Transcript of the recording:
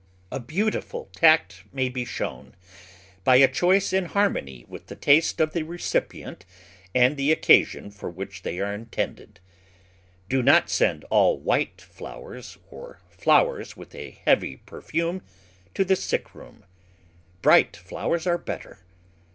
A beautiful tact may be shown by a choice in harmony with the taste of the recipient and the occasion for which they are intended. Do not send all white flowers, or flowers with a heavy perfume, to the sick room. Bright flowers are better.